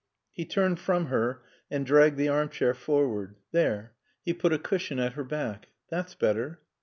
He turned from her and dragged the armchair forward. "There." He put a cushion at her back. "That's better."